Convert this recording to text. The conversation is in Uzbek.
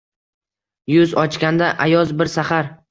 Yuz ochganda ayoz bir saxar